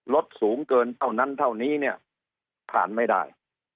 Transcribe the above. สูงเกินเท่านั้นเท่านี้เนี่ยผ่านไม่ได้